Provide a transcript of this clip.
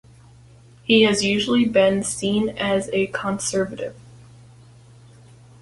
He has usually been seen as a conservative.